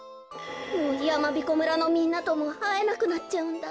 もうやまびこ村のみんなともあえなくなっちゃうんだ。